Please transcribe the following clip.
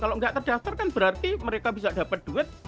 kalau nggak terdaftar kan berarti mereka bisa dapat duit